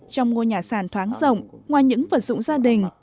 trong ngôi nhà sàn thoáng rộng ngoài những vật dụng gia đình